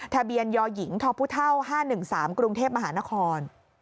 ทะเบียนยหญิงทพ๕๑๓กรุงเทพมหานคร